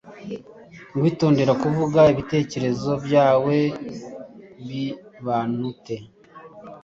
Witondere kuvuga ibitekerezo byawe biobanute